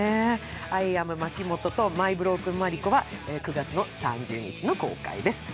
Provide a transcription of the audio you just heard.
「アイ・アムまきもと」と「マイ・ブロークン・マリコ」は９月３０日の公開です。